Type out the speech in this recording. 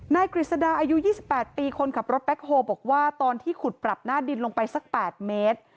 กฤษดาอายุ๒๘ปีคนขับรถแบ็คโฮบอกว่าตอนที่ขุดปรับหน้าดินลงไปสัก๘เมตร